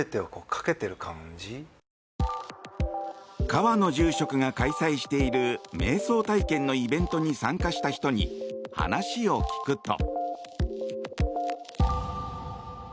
川野住職が開催しているめい想体験のイベントに参加した人に話を聞くと。